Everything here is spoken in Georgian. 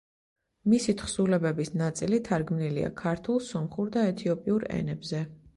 მისი თხზულებების ნაწილი თარგმნილია ქართულ, სომხურ და ეთიოპიურ ენებზე.